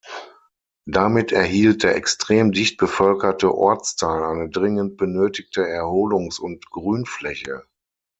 Damit erhielt der extrem dicht bevölkerte Ortsteil eine dringend benötigte Erholungs- und Grünfläche.